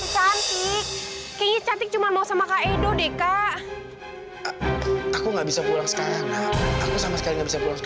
sepertinya ama crisis error tendangtaranmu won blancet